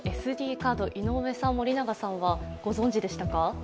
カード井上さん、森永さんはご存じでしたか？